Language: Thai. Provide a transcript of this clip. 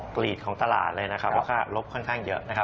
กรีดของตลาดเลยนะครับว่าค่าลบค่อนข้างเยอะนะครับ